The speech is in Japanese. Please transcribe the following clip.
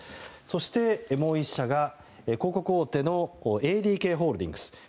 そしてもう１社が、広告大手のＡＤＫホールディングス。